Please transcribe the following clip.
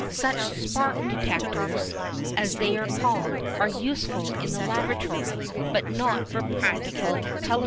Such "spark detectors," as they are called, are useful in the laboratory, but not for practical telegraphy.